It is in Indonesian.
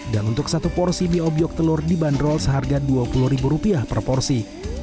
dan untuk satu porsi mie obyok telur dibanderol seharga dua puluh ribu rupiah per porsi